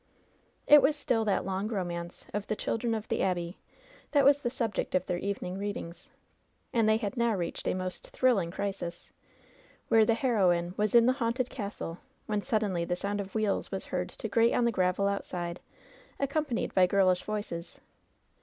It was still that long romance of "The Children of the Abbey" that was the subject of their evening read ings. And they had now reached a most thrilling crisis, where the heroine was in the haimted castle ; when sud denly the sound of wheels was heard to grate on the gravel outside, accompanied by girlish voices.